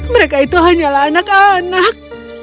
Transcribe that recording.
mereka hanyalah anak anak